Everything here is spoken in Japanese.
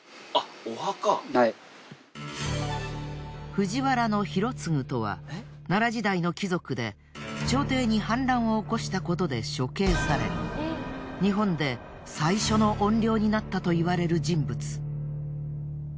藤原広嗣とは奈良時代の貴族で朝廷に反乱を起こしたことで処刑され日本で最初の怨霊になったといわれる人物。